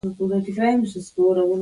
یو مهذب ملت خپلې ملي ځانګړنې ساتي.